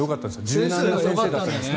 柔軟な先生だったんですよ。